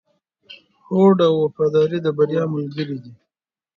هوډ او وفاداري د بریا ملګري دي.